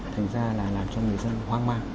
thành ra là làm cho người dân hoang mang